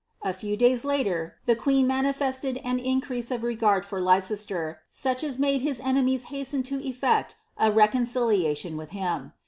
A few days later, the queen mani flRted an increase of regard for Leicester, such as made his enemies rasten to efiect a reconciliation with him."